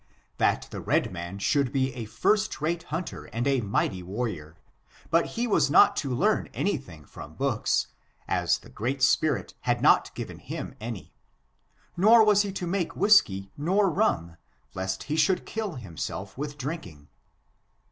That the red man should be a first rate himter and a mighty warrior, but he was not to learn any thing from books, as the Great Spirit had not given him any; nor was he to make whisky nor rum, lest he should kill himself with drinking.